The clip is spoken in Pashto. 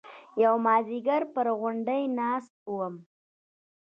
يو مازديگر پر غونډۍ ناست وم.